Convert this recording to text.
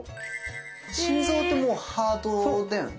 心臓ってもうハートだよね？